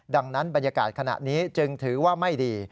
ดังนั้นบรรยากาศขณะนี้จึงถือว่าไม่ดี